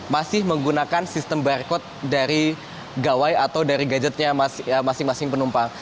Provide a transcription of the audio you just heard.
masih menggunakan sistem barcode dari gawai atau dari gadgetnya masing masing penumpang